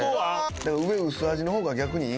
「上薄味の方が逆にいい」